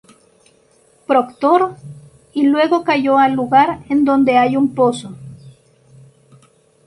Proctor y luego cayó al lugar en donde hay un pozo.